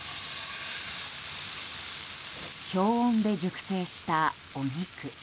氷温で熟成したお肉。